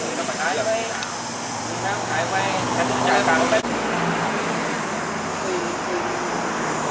โรงพยาบาลโรงพยาบาล